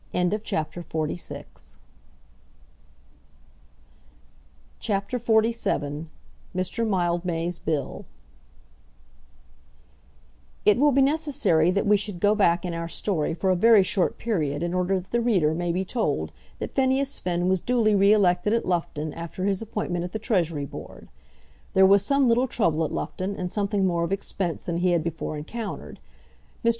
CHAPTER XLVII Mr. Mildmay's Bill It will be necessary that we should go back in our story for a very short period in order that the reader may be told that Phineas Finn was duly re elected at Loughton after his appointment at the Treasury Board. There was some little trouble at Loughton, and something more of expense than he had before encountered. Mr.